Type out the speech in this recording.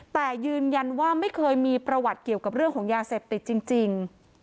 แต่ยืนยันว่าไม่เคยมีประวัติเกี่ยวกับเรื่องของยาเสพติดจริง